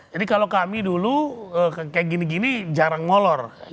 jadi kalau kami dulu kayak gini gini jarang ngolor